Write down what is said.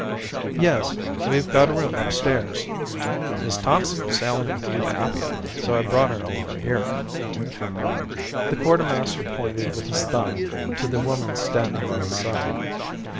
"Yes, we've got a room upstairs." "Miss Thompson was sailing with you to Apia, so I've brought her along here." The quartermaster pointed with his thumb to the woman standing by his side.